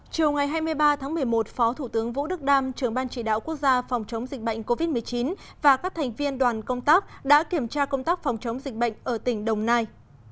chiều ngày hai mươi ba tháng một mươi một phó thủ tướng vũ đức đam trưởng ban chỉ đạo quốc gia phòng chống dịch bệnh covid một mươi chín và các thành viên đoàn công tác đã kiểm tra công tác phòng chống dịch bệnh ở tỉnh đồng nai